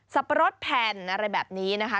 ปะรดแผ่นอะไรแบบนี้นะคะ